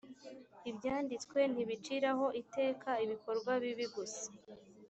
ibyanditswe ntibiciraho iteka ibikorwa bibi gusa